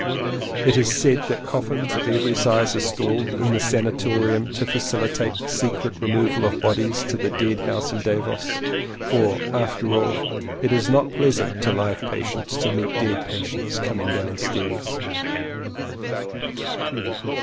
It is said that coffins of every size are stored in the sanatorium to facihtate the secret removal of bodies to the dead house in Davos. For, after all, it is not pleasant to live patients to meet dead patients coming down stairs!